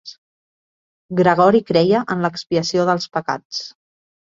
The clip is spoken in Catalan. Gregori creia en l'expiació dels pecats.